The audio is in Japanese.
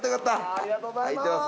ありがとうございます。